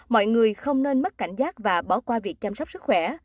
mọi người không nên mất cảnh giác và bỏ qua việc chăm sóc sức khỏe